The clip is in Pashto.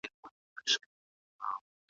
ادبي پروګرامونه د محصلانو استعدادونه غوړوي.